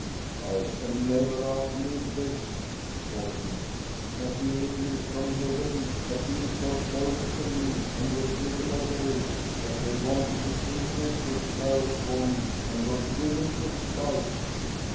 "I can never outlive this," thought he, "that the angels from heaven had been so close to me and were driven away; that they wanted to sing Christmas carols for me and were driven to flight."